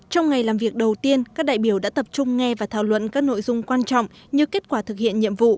trong ngày làm việc đầu tiên các đại biểu đã tập trung nghe và thảo luận các nội dung quan trọng như kết quả thực hiện nhiệm vụ